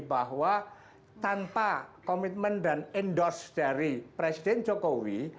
bahwa tanpa komitmen dan endorse dari presiden jokowi